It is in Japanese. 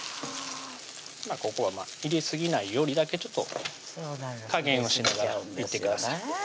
ここは入れすぎないようにだけちょっと加減をしながらいってください